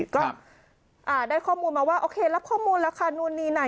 ก็ได้ข้อมูลมาว่ารับข้อมูลละค่านวดนีนาน